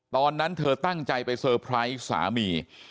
ตอนนั้นเธอตั้งใจไปเซอร์ไพรส์สามี